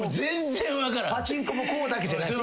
パチンコもこうだけじゃない。